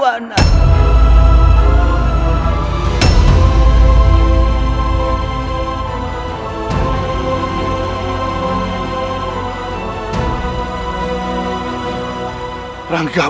inilah satu pahih